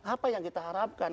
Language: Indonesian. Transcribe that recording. apa yang kita harapkan